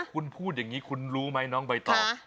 คุณพูดอย่างนี้คุณรู้ไหมน้องใบตอง